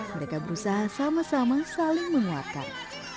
mereka berusaha sama sama saling menguatkan